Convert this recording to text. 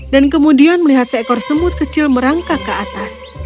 dan kemudian melihat seekor semut kecil merangkak ke atas